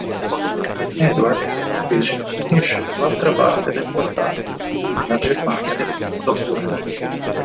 Edward invece finisce dall'altra parte del portale, nella Germania del primo dopoguerra.